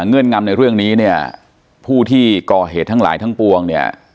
เงื่อนงำในเรื่องนี้เนี่ยผู้ที่ก่อเหตุทั้งหลายทั้งปวงเนี่ย